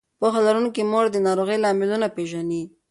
پوهه لرونکې مور د ناروغۍ لاملونه پېژني.